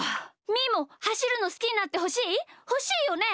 みーもはしるのすきになってほしい？ほしいよね！？